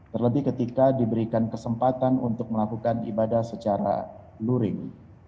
terlebih ketika diberikan kesempatan untuk melakukan ibadah secara luring